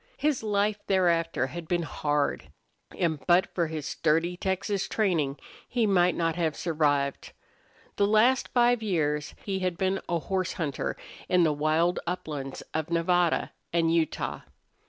His life thereafter had been hard, and but for his sturdy Texas training he might not have survived. The last five years he had been a horse hunter in the wild uplands of Nevada and Utah.